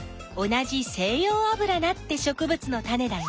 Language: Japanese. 同じセイヨウアブラナってしょくぶつのタネだよ。